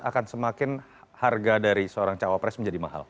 akan semakin harga dari seorang cawapres menjadi mahal